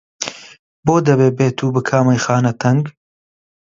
بۆ دەبێ بێت و بکا مەیخانە تەنگ؟!